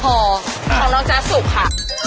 ของน้องจ๊ะสุกค่ะ